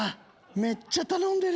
めっちゃ頼んでる！